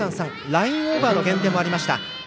ラインオーバーの減点もありました。